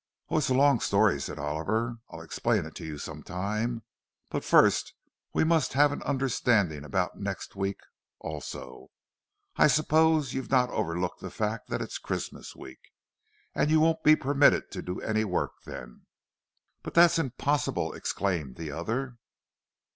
"Oh, it's a long story," said Oliver. "I'll explain it to you some time. But first we must have an understanding about next week, also—I suppose you've not overlooked the fact that it's Christmas week. And you won't be permitted to do any work then." "But that's impossible!" exclaimed the other.